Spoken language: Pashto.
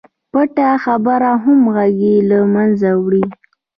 پټه خبره همغږي له منځه وړي.